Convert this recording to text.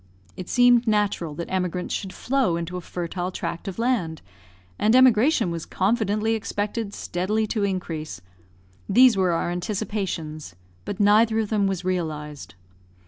It seemed natural that emigrants should flow into a fertile tract of land, and emigration was confidently expected steadily to increase; these were our anticipations, but neither of them was realised.